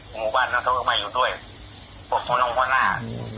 หมู่บ้านเขาก็มาอยู่ด้วยผมต้องควรหน้า